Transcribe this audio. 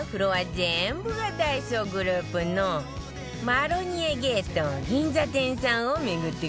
全部がダイソーグループのマロニエゲート銀座店さんを巡ってくわよ